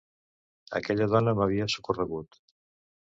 Aquella dona m’havia socorregut.